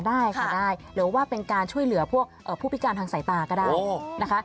ได้ค่ะได้หรือว่าเป็นการช่วยเหลือพวกผู้พิการทางสายตาก็ได้นะคะ